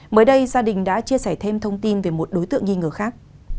mới đây gia đình đã chia sẻ thêm thông tin về một đối tượng nghi ngờ khác